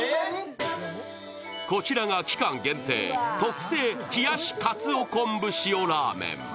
こちらが期間限定特製冷やし鰹昆布塩ラーメン。